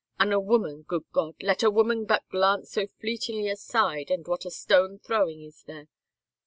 An* a woman — good God, let a woman but glance so fleetingly aside and what a stone throwing is there